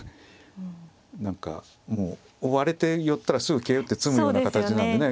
何かもう追われて寄ったらすぐ桂打って詰むような形なんでね。